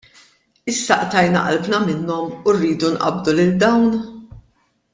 Issa qtajna qalbna minnhom u rridu nqabbdu lil dawn!?